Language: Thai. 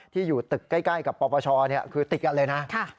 ที่อยู่ตึกใกล้กับปปชคือติดกันเลยนะ